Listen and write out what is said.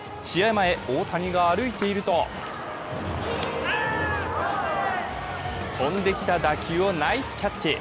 前、大谷が歩いていると飛んできた打球をナイスキャッチ。